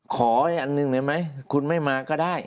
ขออันหนึ่งได้ไหมคุณไม่มาก็ได้